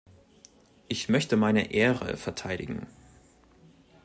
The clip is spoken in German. Ich möchte meine Ehre verteidigen.